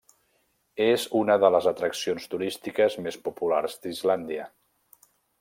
És una de les atraccions turístiques més populars d'Islàndia.